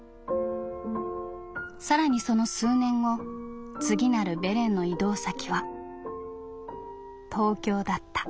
さらにその数年後次なるベレンの移動先は東京だった」。